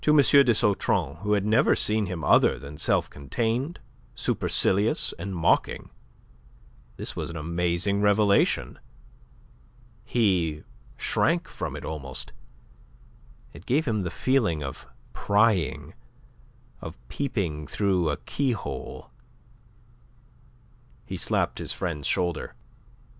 de Sautron, who had never seen him other than self contained, supercilious, and mocking, this was an amazing revelation. He shrank from it almost; it gave him the feeling of prying, of peeping through a keyhole. He slapped his friend's shoulder.